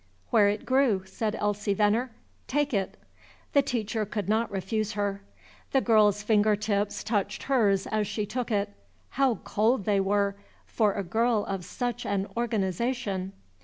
"Where it grew," said Elsie Veneer. "Take it." The teacher could not refuse her. The girl's finger tips touched hers as she took it. How cold they were for a girl of such an organization!